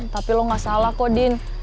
tapi lo gak salah kok din